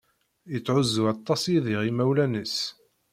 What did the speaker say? Yettεuzzu aṭas Yidir imawlan-is.